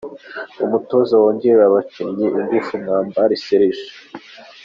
Umutoza wongerera abakinnyi ingufu: Mwambari Serge.